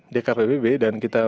dkpbb dan kita